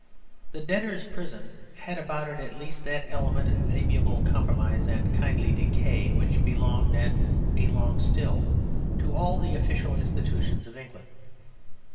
The debtors' prison had about it at least that element of amiable compromise and kindly decay which belonged (and belongs still) to all the official institutions of England.